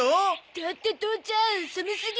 だって父ちゃん寒すぎる！